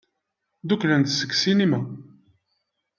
Ddukklen-d seg ssinima.